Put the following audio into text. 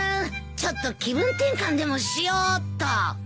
ちょっと気分転換でもしようっと。